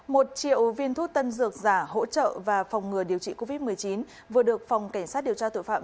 một triệu viên thuốc tân dược giả hỗ trợ và phòng ngừa điều trị covid một mươi chín vừa được phòng cảnh sát điều tra tội phạm